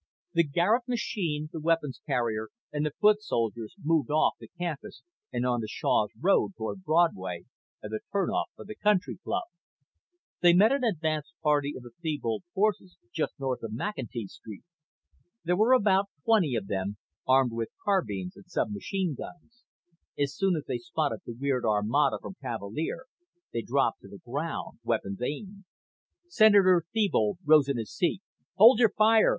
The Garet machine, the weapons carrier and the foot soldiers moved off the campus and onto Shaws Road toward Broadway and the turn off for the country club. They met an advance party of the Thebold forces just north of McEntee Street. There were about twenty of them, armed with carbines and submachine guns. As soon as they spotted the weird armada from Cavalier they dropped to the ground, weapons aimed. Senator Thebold rose in his seat. "Hold your fire!"